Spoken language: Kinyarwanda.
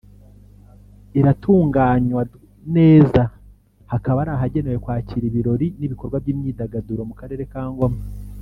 iratunganywa neza hakaba ari ahagenewe kwakira ibirori n’ibikorwa by’imyidagaduro mu karere ka Ngoma